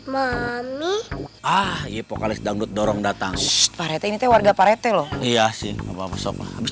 mami ah iya pokalis dangdut dorong datang warga parete loh iya sih apa apa sopa habis